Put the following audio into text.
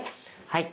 はい。